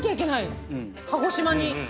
鹿児島に。